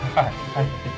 はい。